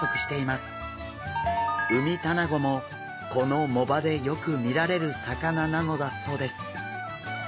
ウミタナゴもこの藻場でよく見られる魚なのだそうです。